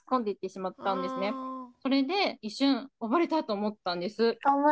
それで一瞬溺れたと思ったんです。